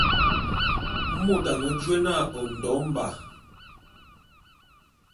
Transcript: Mot ane jôé na Ondo Mba.